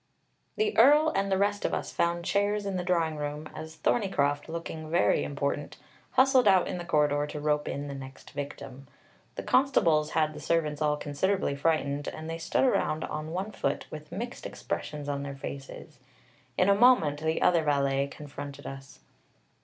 The Earl and the rest of us found chairs in the drawing room as Thorneycroft, looking very important, hustled out in the corridor to rope in the next victim. The constables had the servants all considerably frightened, and they stood around on one foot with mixed expressions on their faces. In a moment the other valet confronted us.